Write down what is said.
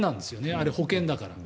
あれ、保険だから。